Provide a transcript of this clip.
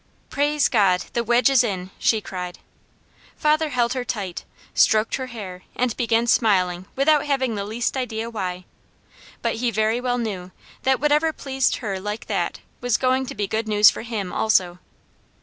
"Praise God, the wedge is in!" she cried. Father held her tight, stroked her hair, and began smiling without having the least idea why, but he very well knew that whatever pleased her like that was going to be good news for him also.